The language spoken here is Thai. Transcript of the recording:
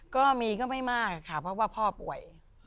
ก็มีก็ไม่มากค่ะเพราะว่าพ่อป่วย